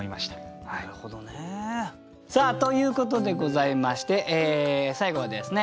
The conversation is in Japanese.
なるほどね。ということでございまして最後はですね